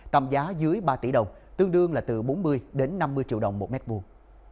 tầm giá dưới ba tỷ đồng tương đương là từ bốn mươi đến năm mươi triệu đồng một mét vuông